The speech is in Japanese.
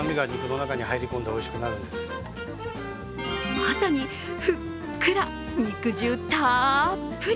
まさにふっくら、肉汁たっぷり！